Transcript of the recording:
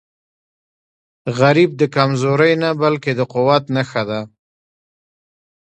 غریب د کمزورۍ نه، بلکې د قوت نښه ده